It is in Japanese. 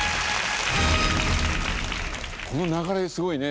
この流れすごいね。